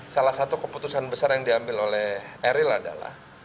salah satu keputusan besar yang diambil oleh eril adalah